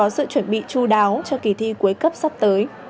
giáo cho kỳ thi cuối cấp sắp tới